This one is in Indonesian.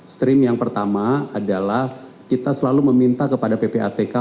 stream yang pertama adalah kita selalu meminta kepada ppatk